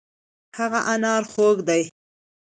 هغه انار خوږ دی.